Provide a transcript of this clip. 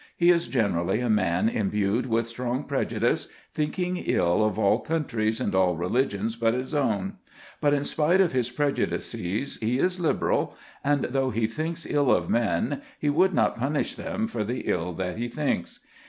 He is generally a man imbued with strong prejudice, thinking ill of all countries and all religions but his own; but in spite of his prejudices he is liberal, and though he thinks ill of men, he would not punish them for the ill that he thinks.